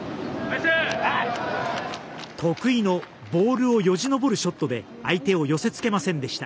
得意のボールをよじ登るショットで相手を寄せつけませんでした。